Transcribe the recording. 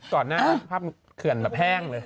ก่อนหน้าภาพเขื่อนแบบแห้งเลย